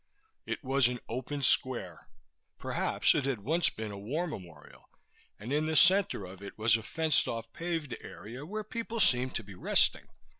It was an open square perhaps it had once been a war memorial and in the center of it was a fenced off paved area where people seemed to be resting.